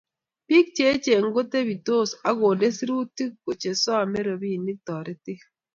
Bik cheechen kotebitos akonde serutik chesomei robinikab toretet